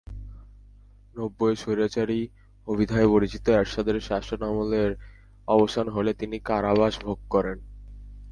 নব্বইয়ে স্বৈরাচারী অভিধায় পরিচিত এরশাদের শাসনামলের অবসান হলে তিনি কারাবাস ভোগ করেন।